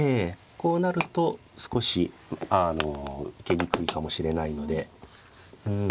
こうなると少しあの受けにくいかもしれないのでうん。